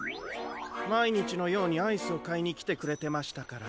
まいにちのようにアイスをかいにきてくれてましたから。